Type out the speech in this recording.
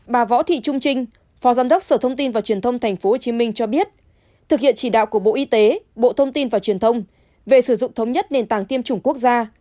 bà võ thị trung trinh phó giám đốc sở thông tin và truyền thông tp hcm cho biết thực hiện chỉ đạo của bộ y tế bộ thông tin và truyền thông về sử dụng thống nhất nền tảng tiêm chủng quốc gia